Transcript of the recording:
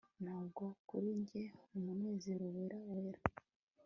ntabwo kuri njye umunezero wera wera